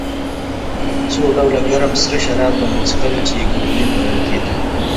څو ډوله ګرم سره شراب به مو څښل چې ګلووېن بلل کېدل.